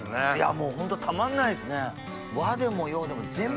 もうホントたまんないですね。